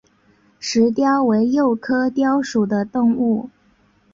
石貂为鼬科貂属的动物。